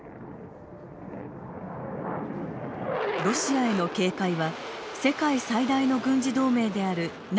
ロシアへの警戒は世界最大の軍事同盟であるＮＡＴＯ